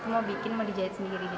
mau bikin mau dijahit sendiri